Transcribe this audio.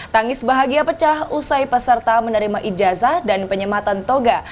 tangis bahagia pecah usai peserta menerima ijazah dan penyematan toga